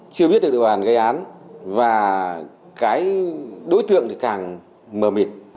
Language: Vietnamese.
chưa biết được điều hành gây án và cái đối tượng thì càng mờ mịt